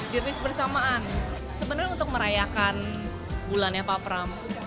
diris bersamaan sebenarnya untuk merayakan bulannya pak pram